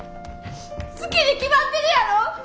好きに決まってるやろ！